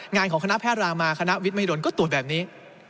งานของคณะแพทย์รามาคณะวิทมหิดลก็ตรวจแบบนี้